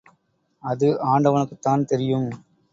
அது ஆண்டவனுக்குத்தான் தெரியும்!